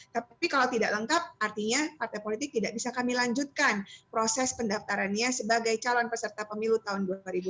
tapi kalau tidak lengkap artinya partai politik tidak bisa kami lanjutkan proses pendaftarannya sebagai calon peserta pemilu tahun dua ribu dua puluh